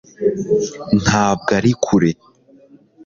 ntabwo ari kure